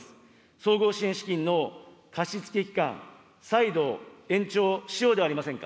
総合支援資金の貸し付け期間、再度延長しようではありませんか。